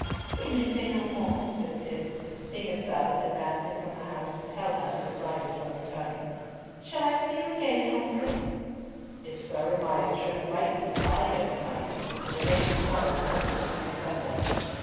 "We may say no more," said Cis, seeing a servant advancing from the house to tell her that the riders were returning. "Shall I see you again, Humfrey?" "If Sir Amias should invite me to lie here to night, and remain to morrow, since it will be Sunday."